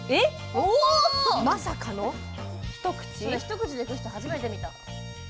それ一口でいく人初めて見た。